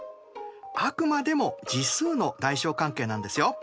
あくまでも次数の大小関係なんですよ。